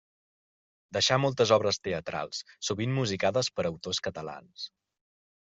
Deixà moltes obres teatrals, sovint musicades per autors catalans.